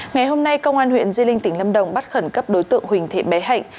ngày hôm nay công an huyện di linh tỉnh lâm đồng bắt khẩn cấp đối tượng huỳnh thị bé hạnh